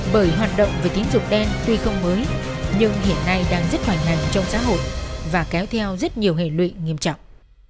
bởi hoạt động về tín dụng đen tuy không mới nhưng hiện nay đang rất hoành hành trong xã hội và kéo theo rất nhiều hệ lụy nghiêm trọng